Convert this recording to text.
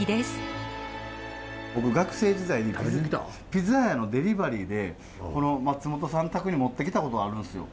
ピザ屋のデリバリーでこの松本さん宅に持ってきたことがあるんですよ。